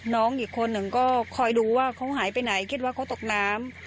น้องอีกคนหนึ่งก็คอยดูว่าเขาหายไปไหนคิดว่าเขาตกน้ำ